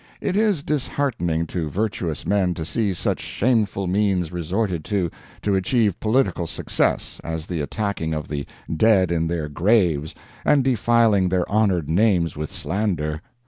It is disheartening to virtuous men to see such shameful means resorted to to achieve political success as the attacking of the dead in their graves, and defiling their honored names with slander.